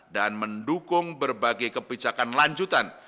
dan mendukung berbagai kebijakan lanjutan